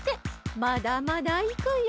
まだまだいくよ！